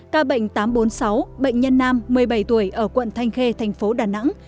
ca bệnh tám trăm bốn mươi sáu bệnh nhân nam một mươi bảy tuổi ở quận thanh khê thành phố đà nẵng